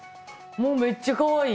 もうめっちゃかわいい。